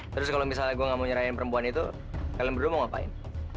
terus kalau misalnya gue nggak menyerahin perempuan itu kalian berdua mau ngapain